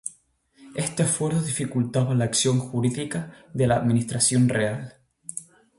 Este fuero dificultaba la acción jurídica de la administración real.